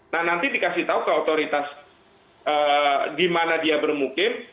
nah nanti dikasih tahu ke otoritas di mana dia bermukim